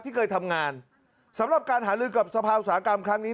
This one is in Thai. ที่เคยทำงานสำหรับการหาลือกับสภาอุตสาหกรรมครั้งนี้